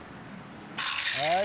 はい！